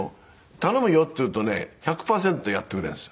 「頼むよ」って言うとね１００パーセントやってくれるんです。